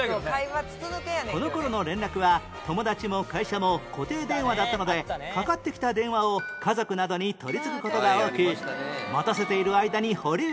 この頃の連絡は友達も会社も固定電話だったのでかかってきた電話を家族などに取り次ぐ事が多く待たせている間に保留音を流す